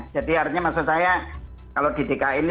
jadi artinya maksud saya kalau di dki ini